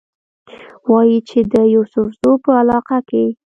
وايي چې د يوسفزو پۀ علاقه کښې